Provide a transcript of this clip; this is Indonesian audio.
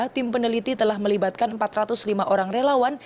tim peneliti telah melibatkan empat ratus lima orang relawan